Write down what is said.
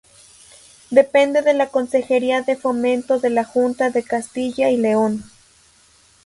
Depende de la Consejería de Fomento de la Junta de Castilla y León.